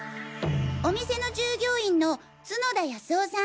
お店の従業員の角田康夫さん。